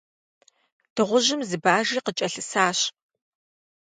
Дыгъужьым зы Бажи къыкӀэлъысащ.